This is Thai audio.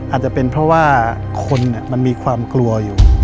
อาจจะเป็นเพราะว่าคนมันมีความกลัวอยู่